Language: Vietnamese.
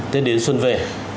tết đến xuân về